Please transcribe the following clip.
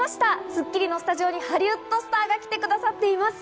『スッキリ』のスタジオにハリウッドスターが来てくださっています。